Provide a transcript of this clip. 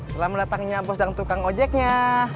selamat datangnya bos dan tukang ngojeknya